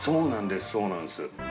そうなんです。